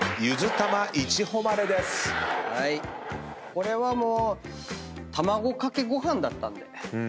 これはもうたまごかけごはんだったんで。